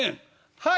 「はい！